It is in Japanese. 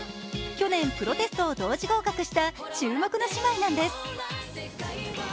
去年プロテストを同時合格した注目の姉妹なんです。